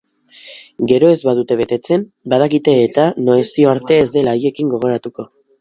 Gero ez badute betetzen, badakite-eta nazioarte ez dela haiekin gogoratuko.